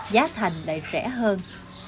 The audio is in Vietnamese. giá thành lại rẻ hơn